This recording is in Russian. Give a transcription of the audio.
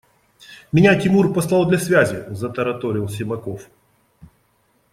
– Меня Тимур послал для связи, – затараторил Симаков.